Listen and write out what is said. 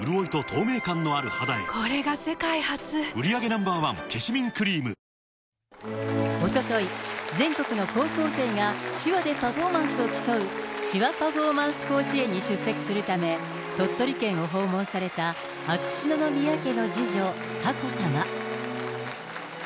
第１回から毎回、出席を続けてきた大会への出席が取りやめとなり、おととい、全国の高校生が手話でパフォーマンスを競う、手話パフォーマンス甲子園に出席するため、鳥取県を訪問された秋篠宮家の次女、佳子さま。